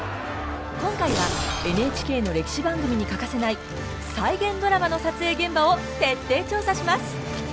今回はＮＨＫの歴史番組に欠かせない再現ドラマの撮影現場を徹底調査します！